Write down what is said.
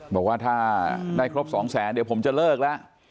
บอกว่าถ้าได้ครบ๒แสนเดี๋ยวผมจะเลิกแล้ว